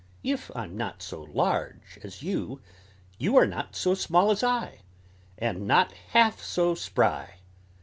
If I'm not so large as you, You are not so small as I, And not half so spry.